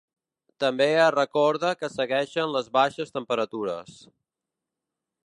També es recorda que segueixen les baixes temperatures.